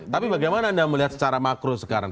tapi bagaimana anda melihat secara makro sekarang